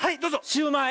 シューマイ！